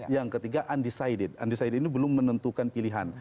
yang ketiga undecided undecided ini belum menentukan pilihan